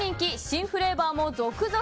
新フレーバーも続々！